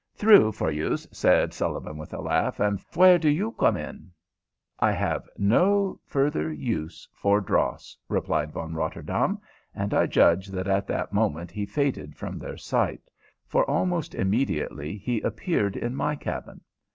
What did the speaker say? "Thrue for youse," said Sullivan, with a laugh. "And phwere do you come in?" "I have no further use for dross," replied Von Rotterdaam; and I judge that at that moment he faded from their sight, for almost immediately he appeared in my cabin.